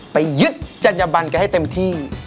ไปยึดจัญญบันกันให้เต็มที่